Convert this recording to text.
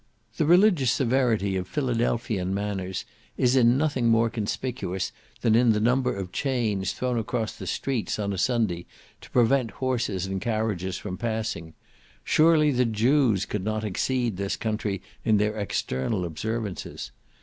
The religious severity of Philadelphian manners is in nothing more conspicuous than in the number of chains thrown across the streets on a Sunday to prevent horses and carriages from passing. Surely the Jews could not exceed this country in their external observances.